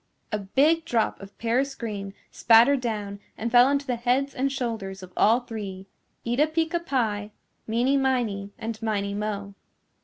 A big drop of paris green spattered down and fell onto the heads and shoulders of all three, Eeta Peeca Pie, Meeny Miney and Miney Mo.